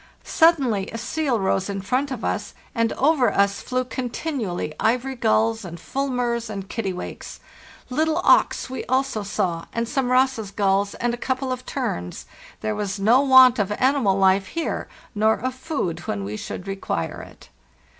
Suddenly a seal rose LAND AT LAST 341 in front of us, and over us flew continually ivory gulls and fulmars and kittiwakes. Little auks we also saw, and some Ross's gulls, and a couple of terns. There was no want of animal life here, nor of food when we should require it.